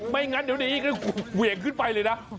งั้นเดี๋ยวนี้ก็เหวี่ยงขึ้นไปเลยนะ